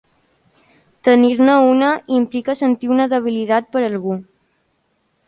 Tenir-ne una implica sentir una debilitat per algú.